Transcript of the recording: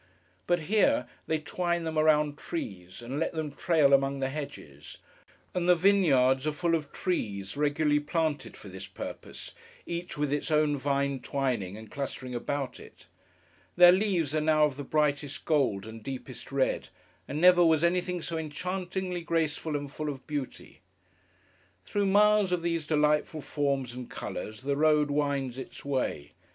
But, here, they twine them around trees, and let them trail among the hedges; and the vineyards are full of trees, regularly planted for this purpose, each with its own vine twining and clustering about it. Their leaves are now of the brightest gold and deepest red; and never was anything so enchantingly graceful and full of beauty. Through miles of these delightful forms and colours, the road winds its way.